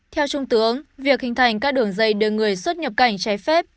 theo trung tướng việc hình thành các đường dây đưa người xuất nhập cảnh trái phép